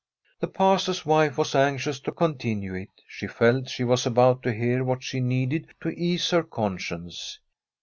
The Pastor's wife was anxious to continue it; she felt she was about to hear what she needed to ease her conscience.